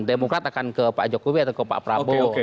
demokrat akan ke pak jokowi atau ke pak prabowo